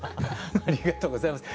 ありがとうございます。